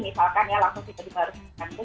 misalkan ya langsung kita dimaruskan